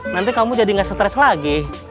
nanti kamu jadi gak stres lagi